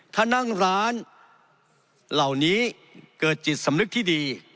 ถ้านั่งร้านเหล่านี้เกิดจิตสำนึกที่ดี